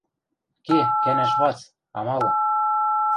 Ке, кӓнӓш вац, амалы.